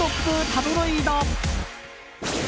タブロイド。